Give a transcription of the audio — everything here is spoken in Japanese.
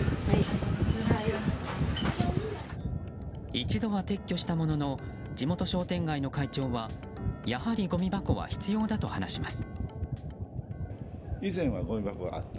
一度は撤去したものの地元商店街の会長はやはりごみ箱は必要だと話します。